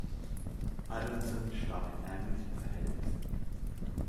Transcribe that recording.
Adanson starb in ärmlichen Verhältnissen.